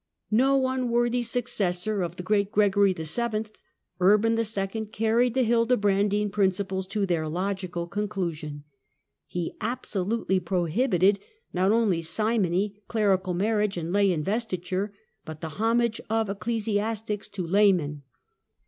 No unworthy successor of the i099 great Gregory VII., Urban II. carried the Hildebrandine principles to their logical conclusion. He absolutely prohibited not only simony, clerical marriage and lay investiture, but the homage of ecclesiastics to laymen.